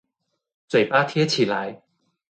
嘴巴貼起來